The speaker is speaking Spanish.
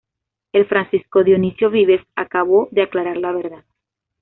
El Francisco Dionisio Vives acabó de aclarar la verdad.